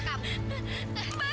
mak jangan mak